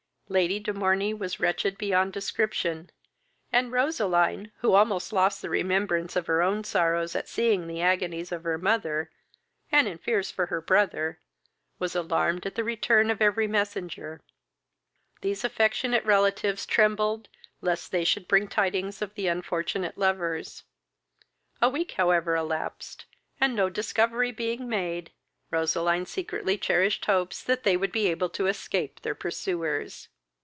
Lady de Morney was wretched beyond description, and Roseline, who almost lost the remembrance of her own sorrows at seeing the agonies of her mother, and in fears for her brother, was alarmed at the return of every messenger. These affectionate relatives trembled lest they should bring tidings of the unfortunate lovers. A week however elapsed, and no discovery being made, Roseline secretly cherished hopes that they would be able to escape their pursuers.